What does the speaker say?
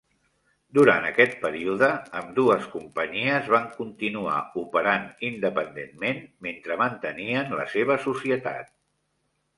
Durant aquest període, ambdues companyies van continuar operant independentment mentre mantenien la seva societat.